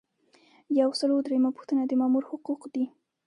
یو سل او دریمه پوښتنه د مامور حقوق دي.